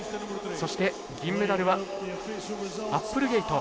そして銀メダルはアップルゲイト。